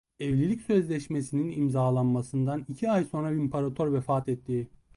Evlilik sözleşmesinin imzalanmasından iki ay sonra imparator vefat etti.